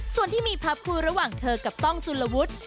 ส่วนที่มีภาพคู่ระหว่างเธอกับต้องจุลวุฒิ